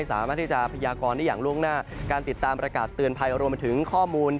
ถ้ามักสนัด๖๖กว่ากว่าอาจจะมีโอกาสให้รุบรับรู้ได้